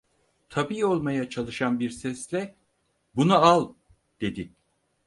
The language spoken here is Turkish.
Tabii olmaya çalışan bir sesle: "Bunu al!" dedi.